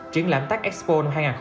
triển lãm tech expo hai nghìn hai mươi hai